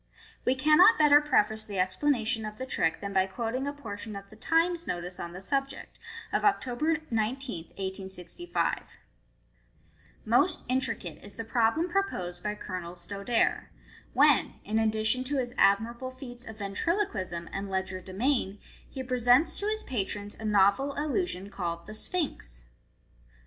We can not better preface the explanation of the trick than by quoting a portion of the Times notice on the subject, of October 19, 1865 :—" Most intricate is the problem proposed by Colonel Stodare, when, in addition to his admirable feats of ventriloquism and legerdemain, he presents to his patrons a novel illusion called the ' Sphinx.